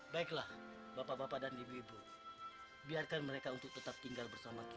dan bapak nggak akan melakukan kesalahan